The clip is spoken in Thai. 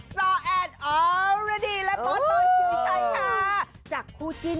ดั่งซอแอดออร์เรดี้และบอสโดยสิริชัยค่ะจากผู้จิ้น